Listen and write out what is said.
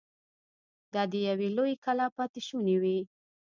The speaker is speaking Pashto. دا د يوې لويې کلا پاتې شونې وې.